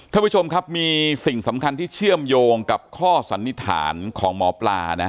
ท่านผู้ชมครับมีสิ่งสำคัญที่เชื่อมโยงกับข้อสันนิษฐานของหมอปลานะ